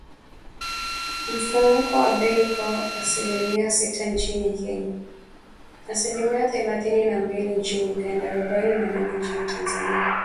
Mfumuko wa bei uko asilimia sita nchini Kenya, asilimia thelathini na mbili nchini Uganda , arobaini na nane nchini Tanzania